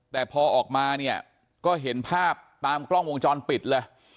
แต่พอออกมาเนี่ยก็เห็นภาพตามกล้องวงจรปิดเลย